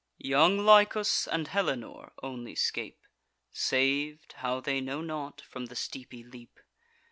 Young Lycus and Helenor only scape; Sav'd—how, they know not—from the steepy leap.